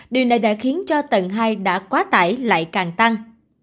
điều này đã khiến cho tầng hai đã quá tải lại càng tăng